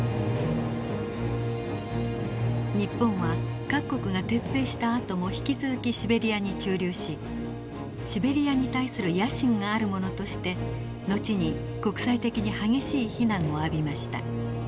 日本は各国が撤兵したあとも引き続きシベリアに駐留しシベリアに対する野心があるものとして後に国際的に激しい非難を浴びました。